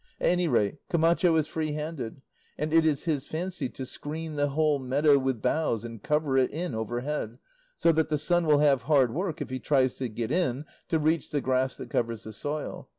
At any rate, Camacho is free handed, and it is his fancy to screen the whole meadow with boughs and cover it in overhead, so that the sun will have hard work if he tries to get in to reach the grass that covers the soil.